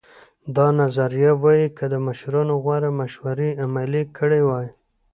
دا نظریه وایي که مشرانو غوره مشورې عملي کړې وای.